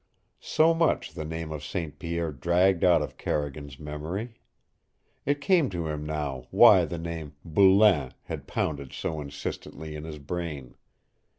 So much the name St. Pierre dragged out of Carrigan's memory. It came to him now why the name "Boulain" had pounded so insistently in his brain.